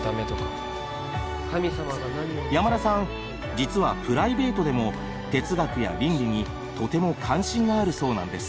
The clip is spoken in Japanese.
山田さん実はプライベートでも哲学や倫理にとても関心があるそうなんです。